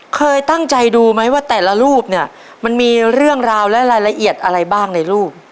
เคยตั้งใจดูไหมว่าแต่ละรูปเนี่ยมันมีเรื่องราวและรายละเอียดอะไรบ้างในรูป